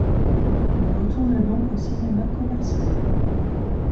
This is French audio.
Il retourne donc au cinéma commercial.